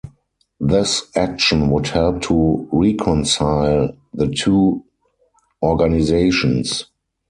This action would help to reconcile the two organizations.